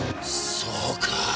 そうか！